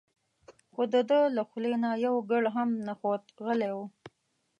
خو دده له خولې نه یو ګړ هم نه خوت غلی و.